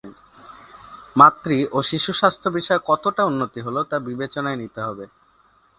মাতৃ ও শিশুস্বাস্থ্য বিষয়ে কতটা উন্নতি হলো, তা বিবেচনায় নিতে হবে।